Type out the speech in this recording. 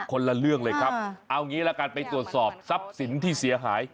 คนละเรื่องเลยครับเอางี้ละกันไปตรวจสอบทรัพย์สินที่เสียหาย